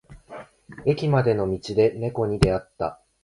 駅までの道で猫に出会った。